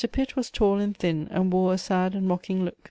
Pitt was tall and thin, and wore a sad and mocking look.